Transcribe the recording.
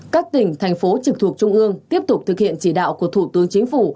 các tỉnh thành phố trực thuộc trung ương tiếp tục thực hiện chỉ đạo của thủ tướng chính phủ